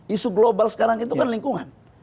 isu global sekarang itu kan lingkungan